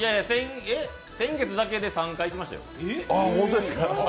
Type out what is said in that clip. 先月だけで３回、行きましたよ。